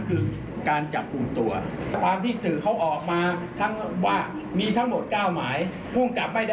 ภูมิกลับบอกไม่ได้รู้เรื่องไม่รู้ว่ามายังไง